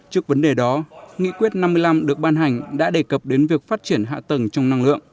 trước vấn đề đó nghị quyết năm mươi năm được ban hành đã đề cập đến việc phát triển hạ tầng trong năng lượng